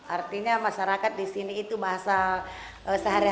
artinya masyarakat di sini itu bahasa sehari hari